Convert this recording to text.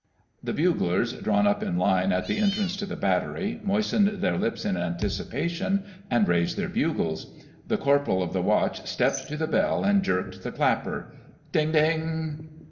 The buglers, drawn up in line at the entrance to the battery, moistened their lips in anticipation and raised their bugles. The Corporal of the Watch stepped to the bell and jerked the clapper. Ding ding!